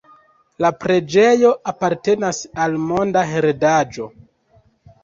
La preĝejo apartenas al Monda Heredaĵo.